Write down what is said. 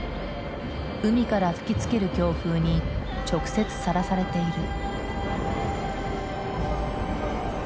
海から吹きつける強風に直接さらされている。